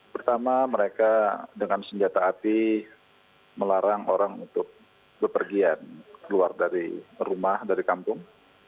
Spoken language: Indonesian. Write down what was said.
pertama mereka dengan senjata api melarang orang untuk bepergian keluar dari rumah dari kampung